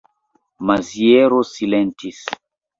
Maziero silentis.